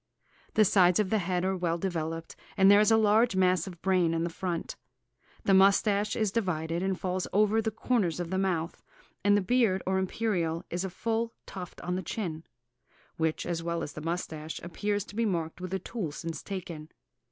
The sides of the head are well developed, and there is a large mass of brain in the front. The moustache is divided, and falls over the corners of the mouth, and the beard, or imperial, is a full tuft on the chin, which, as well as the moustache, appears to be marked with a tool since taken.